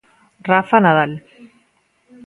Rafa Nadal.